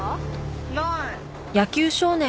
ない。